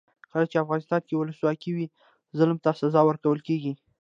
کله چې افغانستان کې ولسواکي وي ظالم ته سزا ورکول کیږي.